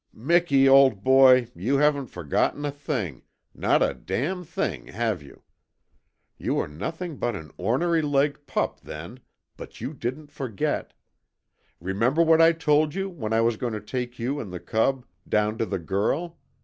"Miki, old boy, you haven't forgotten a thing not a dam' thing, have you? You were nothing but an onery legged pup then, but you didn't forget! Remember what I told you, that I was going to take you and the cub down to the Girl?